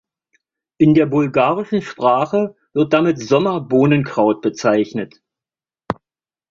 In der bulgarischen Sprache wird damit Sommer-Bohnenkraut bezeichnet.